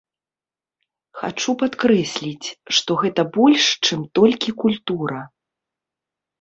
Хачу падкрэсліць, што гэта больш, чым толькі культура.